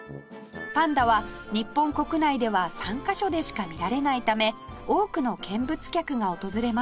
パンダは日本国内では３カ所でしか見られないため多くの見物客が訪れます